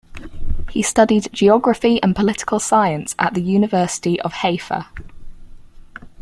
He studied geography and political Science at the University of Haifa.